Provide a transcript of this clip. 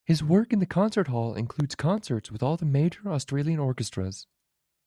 His work in the concert hall includes concerts with all the major Australian orchestras.